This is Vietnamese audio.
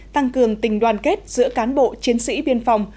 tăng cường tình đoàn kết giữa cán bộ chiến sĩ biên phòng